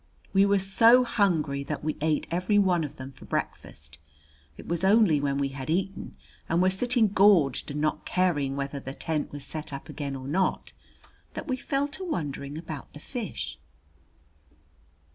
We were so hungry that we ate every one of them for breakfast. It was only when we had eaten, and were sitting gorged and not caring whether the tent was set up again or not, that we fell to wondering about the fish.